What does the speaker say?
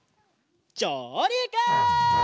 じょうりく！